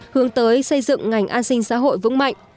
hướng tới xây dựng ngành an sinh xã hội vững mạnh